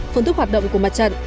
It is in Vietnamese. phương thức hoạt động của mặt trận